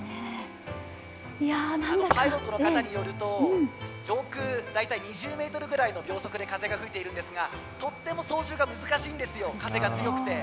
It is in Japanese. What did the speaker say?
パイロットの方によると上空２０メートルぐらいの秒速で風が吹いているんですが、とっても操縦が難しいんですよ、風が強くて。